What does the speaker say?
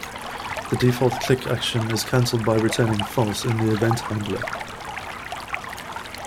The default click action is cancelled by returning false in the event handler.